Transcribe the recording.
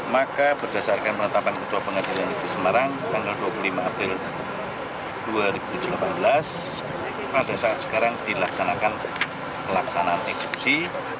maka berdasarkan penetapan ketua pengadilan negeri semarang tanggal dua puluh lima april dua ribu delapan belas pada saat sekarang dilaksanakan pelaksanaan eksekusi